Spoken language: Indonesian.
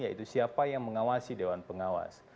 yaitu siapa yang mengawasi dewan pengawas